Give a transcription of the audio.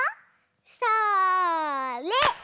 それ！